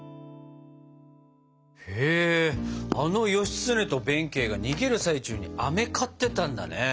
へえあの義経と弁慶が逃げる最中にあめ買ってたんだね。